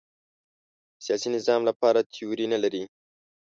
سیاسي نظام لپاره تیوري نه لري